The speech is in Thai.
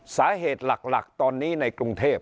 สาเหตุหลักตอนนี้ในกรุงเทพ